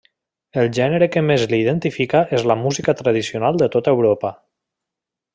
El gènere que més l'identifica és la música tradicional de tota Europa.